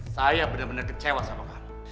saya bener bener kecewa sama kamu